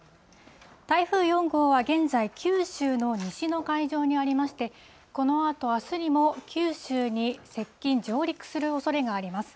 台風４号は現在、九州の西の海上にありまして、このあと、あすにも九州に接近・上陸するおそれがあります。